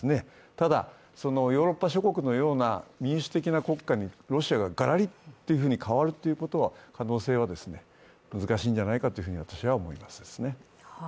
ただ、ヨーロッパ諸国のような民主的な国家にロシアががらりと変わる可能性は難しいんじゃないかと私は思いますね。